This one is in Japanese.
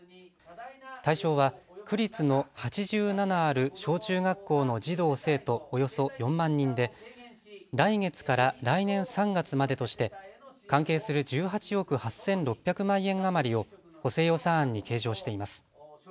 対象は区立の８７ある小中学校の児童生徒およそ４万人で来月から来年３月までとして関係する１８億８６００万円余りを補正予算案に計上しています。